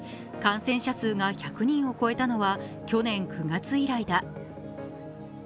感染者数が１００人を超えたのは去年９月依頼だ。